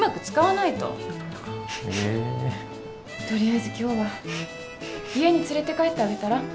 とりあえず今日は家に連れて帰ってあげたら？